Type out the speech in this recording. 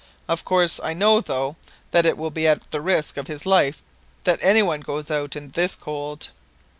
Of course I know, though, that it will be at the risk of his life that any one goes out in this cold